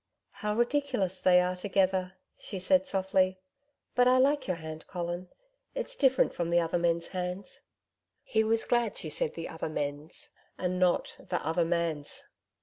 'How ridiculous they are together!' she said softly 'But I like your hand, Colin. It's different from the other men's hands.' He was glad she said 'the other men's,' and not 'the other man's'.